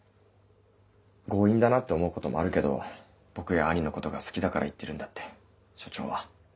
強引だなって思うこともあるけど僕や兄のことが好きだから言ってるんだって署長は。